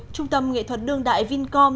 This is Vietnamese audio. trung tâm nghệ thuật đường đại vincom